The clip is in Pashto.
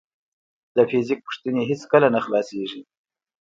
د فزیک پوښتنې هیڅکله نه خلاصېږي.